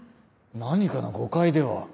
何かの誤解では？